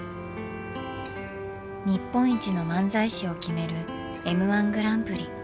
日本一の漫才師を決める「Ｍ−１グランプリ」。